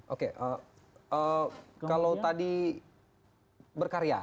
oke kalau tadi berkarya